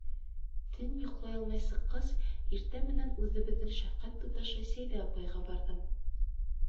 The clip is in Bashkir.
Төн йоҡлай алмай сыҡҡас, иртә менән үҙебеҙҙең шәфҡәт туташы Сәйҙә апайға барҙым.